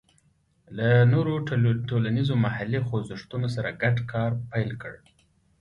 له نورو ټولنیزو محلي خوځښتونو سره ګډ کار پیل کړ.